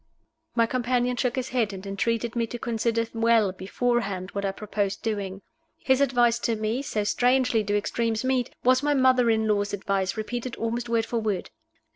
My companion shook his head, and entreated me to consider well beforehand what I proposed doing. His advice to me so strangely do extremes meet! was my mother in law's advice, repeated almost word for word.